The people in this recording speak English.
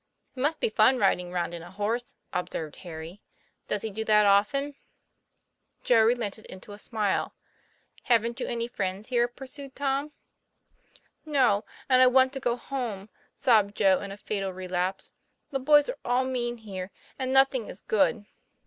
'* It must be fun riding round in a horse," observed Harry. " Does he do that often ?" Joe relented into a smile. '* Haven't you any friends here?" pursued Tom. 'No; and I want to go home," sobbed Joe, in a fatal relapse. 'The boys are all mean here; and nothing is good."